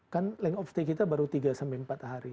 kan lengkup stay kita baru tiga sampai empat hari